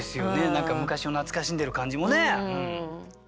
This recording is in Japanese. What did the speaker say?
何か昔を懐かしんでる感じもね。